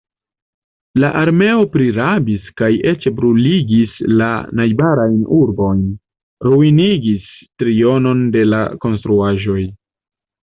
La armeo prirabis kaj eĉ bruligis la najbarajn urbojn, ruinigis trionon de la konstruaĵoj.